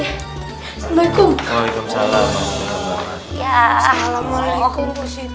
assalamualaikum waalaikumsalam ya assalamualaikum